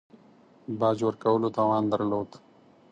باج ورکولو توان درلود.